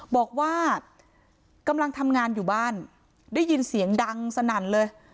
บอกว่ากำลังทำงานอยู่บ้านได้ยินเสียงดังสนั่นเลย